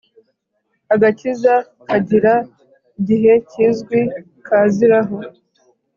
Agakiza kagira igihe kizwi kaziraho